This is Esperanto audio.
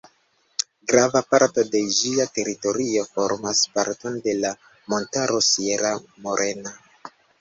Grava parto de ĝia teritorio formas parton de la montaro Sierra Morena.